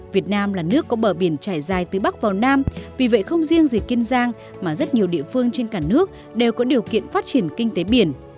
việt nam là nước có bờ biển trải dài từ bắc vào nam vì vậy không riêng gì kiên giang mà rất nhiều địa phương trên cả nước đều có điều kiện phát triển kinh tế biển